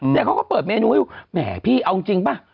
แต่เขาก็เปิดเมนูให้ดูแหมพี่เอาจริงป่ะ